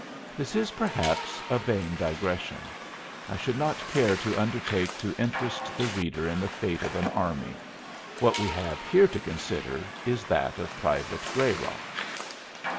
This is perhaps a vain digression. I should not care to undertake to interest the reader in the fate of an army; what we have here to consider is that of Private Grayrock.